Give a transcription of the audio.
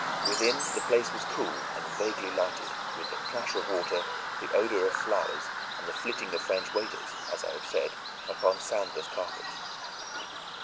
Within, the place was cool and vaguely lighted, with the plash of water, the odor of flowers, and the flitting of French waiters, as I have said, upon soundless carpets.